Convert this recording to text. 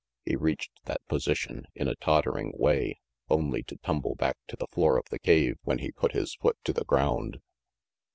He reached that position, in a tottering way, only to tumble back to the floor of the cave when he put his foot to the ground.